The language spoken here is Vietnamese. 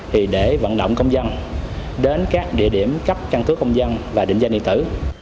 thì để vận động công dân đến các địa điểm cấp căn cước công dân và định danh điện tử